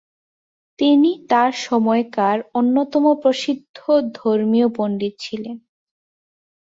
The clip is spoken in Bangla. তিনি তাঁর সময়কার অন্যতম প্রসিদ্ধ ধর্মীয় পণ্ডিত ছিলেন।